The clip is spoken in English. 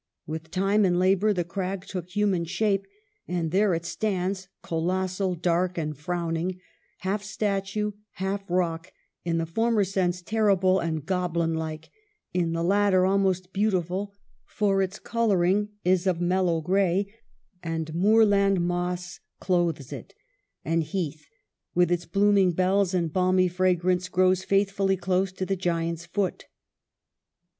With time and labor the crag took human shape ; and there it stands colossal, dark and frowning, half statue, half rock ; in the former sense, terrible and goblin like ; in the latter, almost beautiful, for its coloring is of mellow gray, and moorland moss clothes it ; and heath, with its blooming bells and balmy fragrance, grows faithfully close to the giant's foot."